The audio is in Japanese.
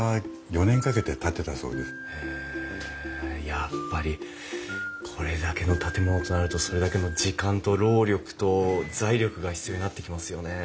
やっぱりこれだけの建物となるとそれだけの時間と労力と財力が必要になってきますよね。